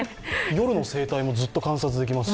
夜の生態もずっと観察できます